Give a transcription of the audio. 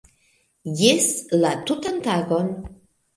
- Jes! - La tutan tagon